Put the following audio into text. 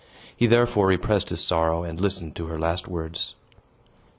He therefore repressed his sorrow, and listened to her last words.